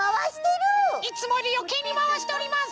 いつもよりよけいにまわしております。